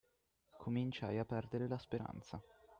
Cominciai a perdere la speranza.